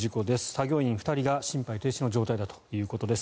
作業員２人が心肺停止の状態だということです。